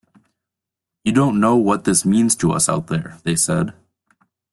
"You don't know what this means to us out here," they said.